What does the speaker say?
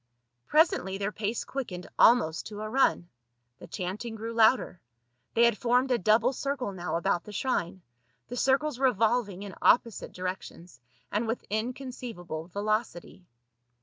Presently their pace quickened almost to a run ; the chanting grew louder ; they had formed a double circle now about the shrine, the circles revolving in opposite directions, and with inconceivable velocity.